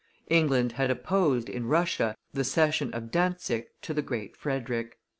England had opposed, in Russia, the cession of Dantzick to the Great Frederick.